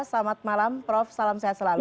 selamat malam prof salam sehat selalu